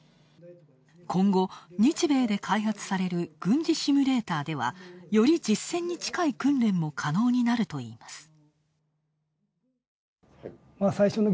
今後、日米で開発される軍事シミュレーターではより実戦に近い訓練も可能になるといいます。